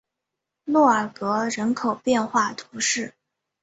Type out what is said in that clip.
洛尔格人口变化图示